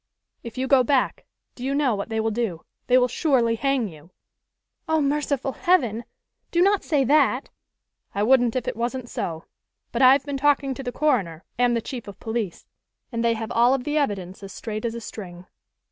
"If you go back, do you know what they will do? They will surely hang you?" "Oh, merciful Heaven? Do not say that!" "I wouldn't if it wasn't so. But I've been talking to the coroner and the chief of police, and they have all of the evidence as straight as a string."